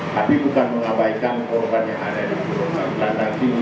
tapi bukan mengabaikan korban yang ada di sini